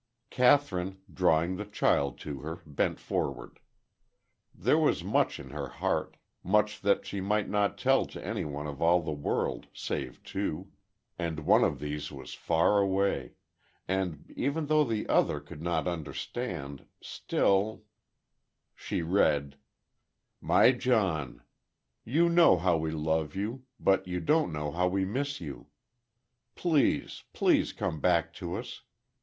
Kathryn, drawing the child to her, bent forward. There was much in her heart much that she might not tell to anyone of all the world save two and one of these was far away; and, even though the other could not understand, still She read: "My John: You know how we love you, but you don't know how we miss you. Please, please come back to us.